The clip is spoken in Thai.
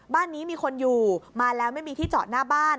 บ้านนี้มีคนอยู่มาแล้วไม่มีที่จอดหน้าบ้าน